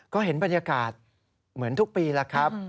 ก็เห็นบรรยากาศเหมือนทุกปีแล้วครับ